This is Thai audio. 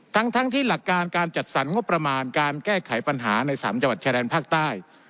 ทั้งที่หลักการการจัดสรรงบประมาณการแก้ไขปัญหาใน๓จังหวัดชายแดนภาคใต้